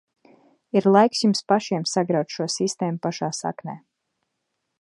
Ir laiks jums pašiem sagraut šo sistēmu pašā saknē!